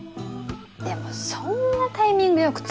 でもそんなタイミング良く通報なんて。